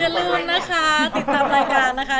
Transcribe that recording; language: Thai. อย่าลืมนะคะติดตามรายการนะคะ